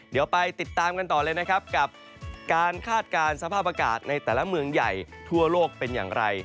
เดี๋ยวไปติดตามกันต่อเลยนะครับกับการคาดการณ์สภาพอากาศในแต่ละเมืองใหญ่ทั่วโลกเป็นอย่างไร